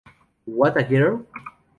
What a girl!